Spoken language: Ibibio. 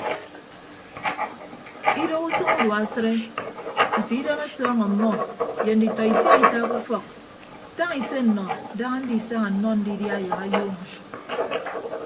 Idoho usʌñ udua asịde tutu idem ọsọọñ ọmmọ ye nditọ itiaita ke ufọk tañ ise nnọ daña ndisaña nnọ ndidia yak ayuuñọ.